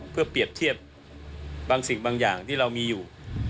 เพื่อเปรียบเทียบบางสิ่งบางอย่างที่เรามีอยู่